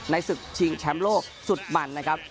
ศึกชิงแชมป์โลกสุดมันนะครับ